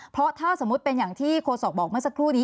เพราะถ้าสมมุติเป็นอย่างที่โฆษกบอกเมื่อสักครู่นี้